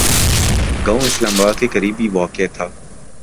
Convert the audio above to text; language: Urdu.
گاؤں اسلام آباد کے قریب ہی واقع تھا